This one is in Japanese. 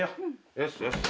よしよし。